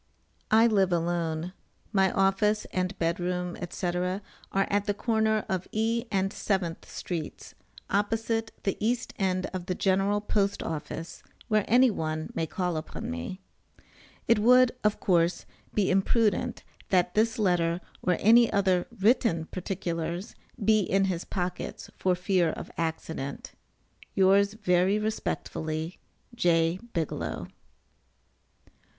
I live alone. My office and bed room, &c., are at the corner of E. and 7th streets, opposite the east end of the General Post Office, where any one may call upon me. It would, of course, be imprudent, that this letter, or any other written particulars, be in his pockets for fear of accident. Yours very respectfully, J. BIGELOW.